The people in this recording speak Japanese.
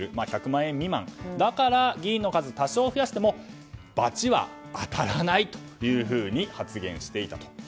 １００万円未満だから議員の数を多少増やしても罰は当たらないと発言していたと。